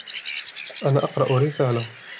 أنا أقرأ رسالة.